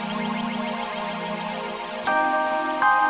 baik aku melakukannya